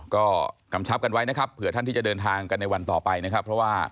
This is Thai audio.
ก็กำชับกันไว้นะครับเผื่อท่านที่จะเดินทางกันในวันต่อไปนะครับเพราะว่า